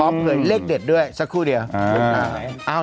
เผยเลขเด็ดด้วยสักครู่เดียว